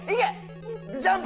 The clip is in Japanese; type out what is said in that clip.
ジャンプ！